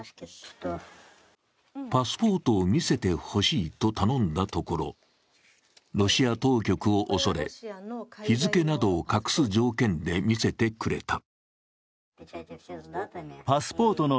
パスポートを見せてほしいと頼んだところロシア当局を恐れ、日付などを隠す条件で見せてくれた。